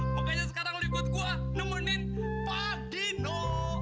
makanya sekarang likut gua nemenin pak dino